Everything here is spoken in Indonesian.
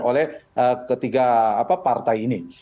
oleh ketiga partai ini